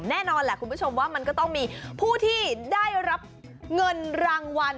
แน่นอนแหละคุณผู้ชมว่ามันก็ต้องมีผู้ที่ได้รับเงินรางวัล